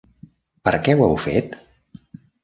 Per què ho heu fet?